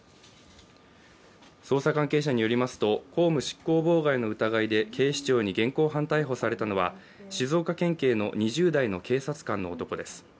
捜査関係者によりますと、公務執行妨害の疑いで警視庁に現行犯逮捕されたのは静岡県警の２０代の警察官の男です。